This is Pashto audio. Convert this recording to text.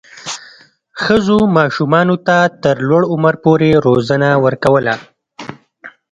ښځو ماشومانو ته تر لوړ عمر پورې روزنه ورکوله.